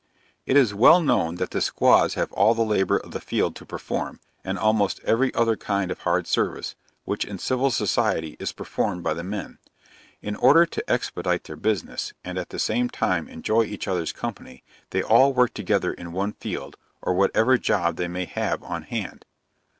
It is well known that the squaws have all the labor of the field to perform, and almost every other kind of hard service, which, in civil society, is performed by the men. In order to expedite their business, and at the same time enjoy each other's company, they all work together in one field, or at whatever job they may have on hand.